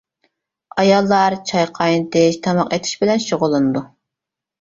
ئاياللار چاي قاينىتىش، تاماق ئېتىش بىلەن شۇغۇللىنىدۇ.